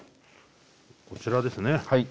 こちらですね。